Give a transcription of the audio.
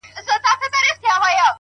ځكه چي دا خو د تقدير فيصله ـ